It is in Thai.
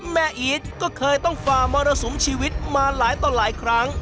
อีทก็เคยต้องฝ่ามรสุมชีวิตมาหลายต่อหลายครั้ง